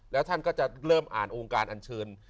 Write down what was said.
แล้วท่านก็จะเริ่มอ่านองค์การอัญเชิญ